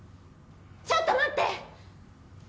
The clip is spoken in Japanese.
ちょっと待って！